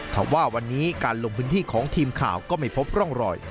ถ้าว่าวันนี้การลงพื้นที่ของทีมข่าวก็ไม่พบร่องรอย